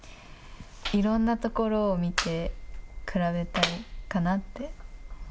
いろんなところを見て比べたいかなって。